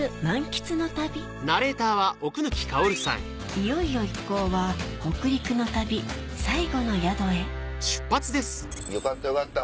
いよいよ一行は北陸の旅最後の宿へよかったよかった。